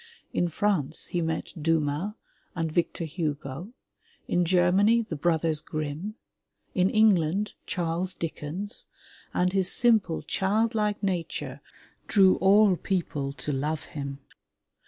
In France he met Dumas and Victor Hugo, in Ger many, the brothers Grimm, in England, Charles Dickens, and his simple, childlike nature drew all people to love him.